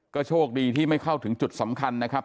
ก็โชคดีที่ไม่เข้าถึงจุดสำคัญนะครับ